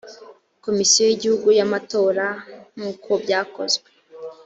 komisiyo y igihugu y amatora nk uko byakozwe